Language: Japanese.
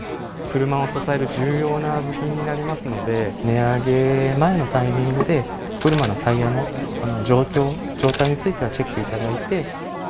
車を支える重要な部品になりますので、値上げ前のタイミングで、お車のタイヤの状況・状態についてはチェックいただいて。